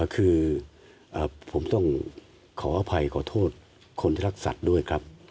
คือผมต้องขออภัยขอโทษคนที่รักสัตว์ด้วยครับ